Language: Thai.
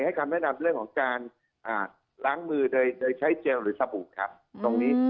คำแนะนำเรื่องของการล้างมือโดยใช้เจลหรือสบู่ครับตรงนี้